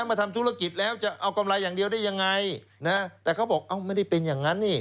มาทำธุรกิจแล้วจะเอากำไรอย่างเดียวได้ยังไงนะแต่เขาบอกเอ้าไม่ได้เป็นอย่างนั้นนี่